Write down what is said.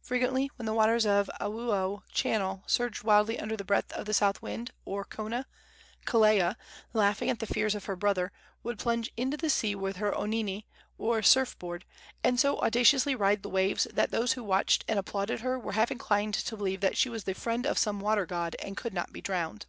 Frequently, when the waters of Auau Channel surged wildly under the breath of the south wind, or kona, Kelea, laughing at the fears of her brother, would plunge into the sea with her onini, or surf board, and so audaciously ride the waves that those who watched and applauded her were half inclined to believe that she was the friend of some water god, and could not be drowned.